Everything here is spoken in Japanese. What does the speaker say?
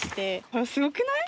ほらすごくない？